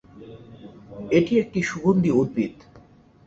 এটি একটি সুগন্ধি উদ্ভিদ।